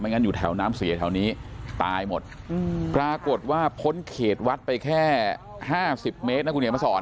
งั้นอยู่แถวน้ำเสียแถวนี้ตายหมดปรากฏว่าพ้นเขตวัดไปแค่๕๐เมตรนะคุณเขียนมาสอน